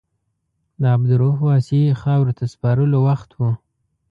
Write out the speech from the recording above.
د عبدالرؤف واسعي خاورو ته سپارلو وخت و.